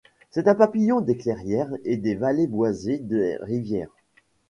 C'est un papillon des clairières et des vallées boisées des rivières.